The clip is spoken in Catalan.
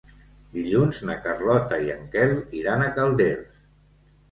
Dilluns na Carlota i en Quel iran a Calders.